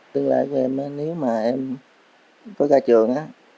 tương lai của em nếu mà em có ra trường á